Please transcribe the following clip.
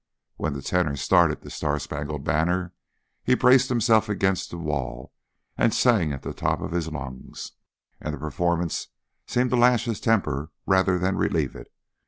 When the tenor started "The Star Spangled Banner," he braced himself against the wall and sang at the top of his lungs; and the performance seemed to lash his temper rather than relieve it.